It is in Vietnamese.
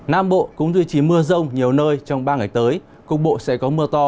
nam bộ cũng duy trì mưa rông nhiều nơi trong ba ngày tới cục bộ sẽ có mưa to